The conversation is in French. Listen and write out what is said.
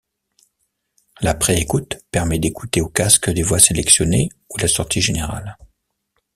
La pré-écoute permet d'écouter au casque les voies sélectionnées ou la sortie générale.